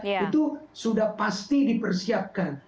itu sudah pasti dipersiapkan